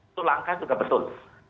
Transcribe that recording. itu langkah sudah betul